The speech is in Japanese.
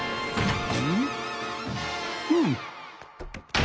うん？